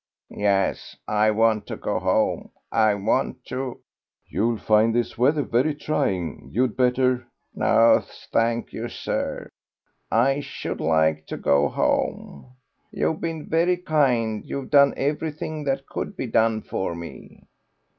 "Yes, I want to go home. I want to " "You'll find this weather very trying; you'd better " "No, thank you, sir. I should like to go home. You've been very kind; you've done everything that could be done for me.